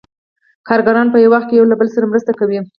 کارګران په یو وخت کې یو له بل سره مرسته کوي